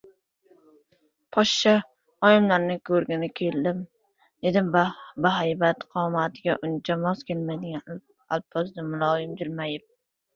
— Poshsha oyimlarni ko‘rgani keldim! — dedi bahaybat qomatiga uncha mos kelmaydigan alpozda muloyim jilmayib.